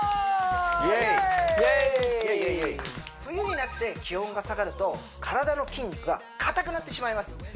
冬になって気温が下がると体の筋肉が固くなってしまいます